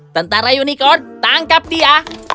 tentara unicorn tangkap dia